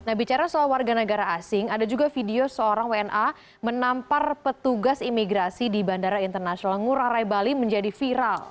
nah bicara soal warga negara asing ada juga video seorang wna menampar petugas imigrasi di bandara internasional ngurah rai bali menjadi viral